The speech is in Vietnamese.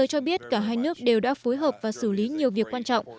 hai nước đều đã phối hợp và xử lý nhiều việc quan trọng